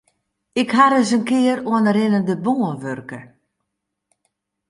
Ik ha ris in kear oan de rinnende bân wurke.